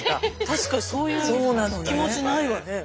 確かにそういう気持ちないわね。